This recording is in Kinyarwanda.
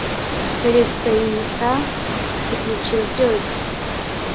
perezida yita kubyiciro byose.